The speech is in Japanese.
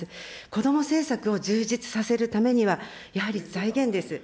こども政策を充実させるためには、やはり財源です。